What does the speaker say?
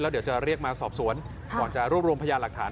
เดี๋ยวจะเรียกมาสอบสวนก่อนจะรวบรวมพยานหลักฐาน